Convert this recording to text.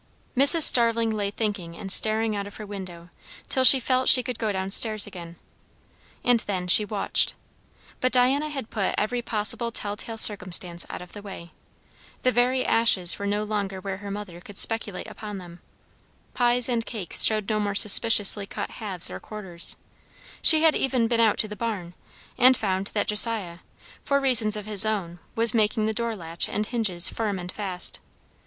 Mrs. Starling lay thinking and staring out of her window, till she felt she could go down stairs again. And then she watched. But Diana had put every possible tell tale circumstance out of the way. The very ashes were no longer where her mother could speculate upon them; pies and cakes showed no more suspiciously cut halves or quarters; she had even been out to the barn, and found that Josiah, for reasons of his own, was making the door latch and hinges firm and fast.